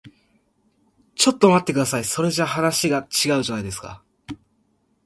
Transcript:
ちょっと待ってください。それじゃ話が違うじゃないですか。